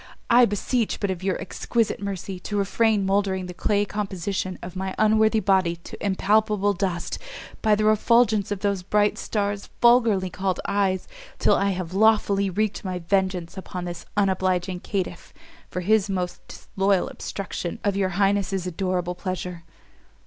I beseech but of your exquisite mercy to refrain mouldering the clay composition of my unworthy body to impalpable dust, by the refulgence of those bright stars vulgarly called eyes, till I have lawfully wreaked my vengeance upon this unobliging caitiff, for his most disloyal obstruction of your highness's adorable pleasure."